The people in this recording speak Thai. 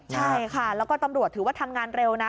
ใช่ค่ะแล้วก็ตำรวจถือว่าทำงานเร็วนะ